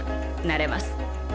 なれます。